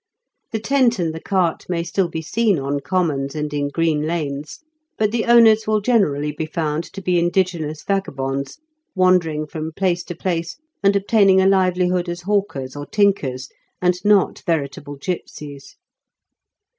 The tent and the cart may still be seen on commons and in green lanes, but the owners will generally be found to be indi genous vagabonds, wandering from place to place, and obtaining a livelihood as hawkers GIPSY CELEBRITIES, 37 or tinkers, and not veritable gipsies.